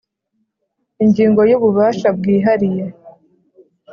ingingo y ububasha bwihariye